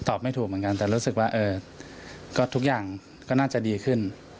ไม่ถูกเหมือนกันแต่รู้สึกว่าก็ทุกอย่างก็น่าจะดีขึ้น